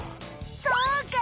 そうか！